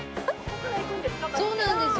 そうなんですよ。